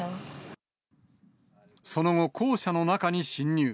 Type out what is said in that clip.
その後、校舎の中に侵入。